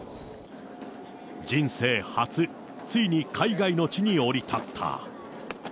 人生初、ついに海外の地に降り立った。